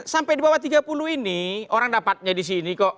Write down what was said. sampai di bawah tiga puluh ini orang dapatnya di sini kok